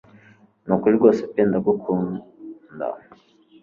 nukuri rwose pe ndagukunda